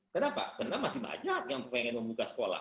kenapa karena masih banyak yang pengen membuka sekolah